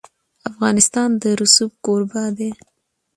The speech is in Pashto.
افغانستان د رسوب کوربه دی.